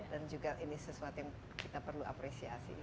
dan juga ini sesuatu yang kita perlu apresiasi